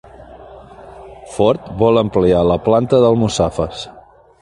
Ford vol ampliar la planta d'Almussafes